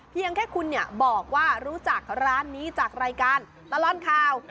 เพียงแค่คุณบอกว่ารู้จักร้านนี้จากรายการตลอดข่าว